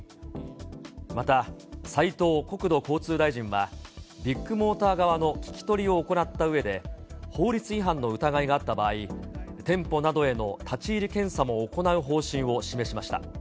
また、斉藤国土交通大臣は、ビッグモーター側の聞き取りを行ったうえで、法律違反の疑いがあった場合、店舗などへの立ち入り検査も行う方針を示しました。